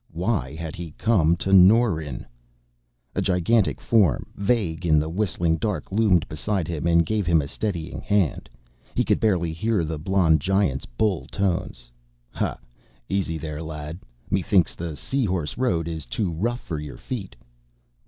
Why had he come to Norren? A gigantic form, vague in the whistling dark, loomed beside him and gave him a steadying hand. He could barely hear the blond giant's bull tones: "Ha, easy there, lad. Methinks the sea horse road is too rough for yer feet."